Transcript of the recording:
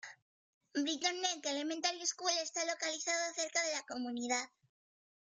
Britton Neck Elementary School está localizado cerca de la comunidad.